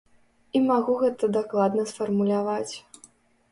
І магу гэта дакладна сфармуляваць.